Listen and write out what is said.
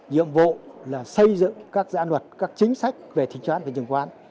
nhiệm vụ là xây dựng các giãn luật các chính sách về thính cho án về chứng khoán